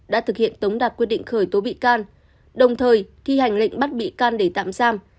đã thực hiện tống đạt quyết định khởi tố bị can đồng thời thi hành lệnh bắt bị can để tạm giam